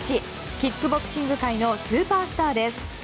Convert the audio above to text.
キックボクシング界のスーパースターです。